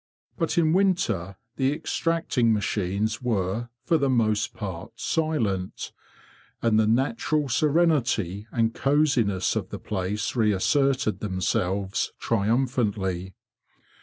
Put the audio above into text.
But in winter the extracting machines were, for the most part, silent; and the natural serenity and cosiness of the place reasserted themselves triumphantly.